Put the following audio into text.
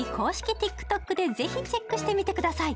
ＴｉｋＴｏｋでぜひチェックしてみてください。